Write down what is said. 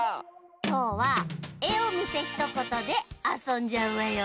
きょうは「えをみてひとこと」であそんじゃうわよ。